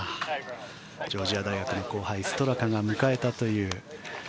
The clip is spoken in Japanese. ジョージア大学の後輩ストラカが迎えたという。